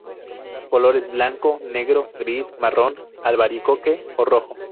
Colores: blanco, negro, gris, marrón, albaricoque o rojo.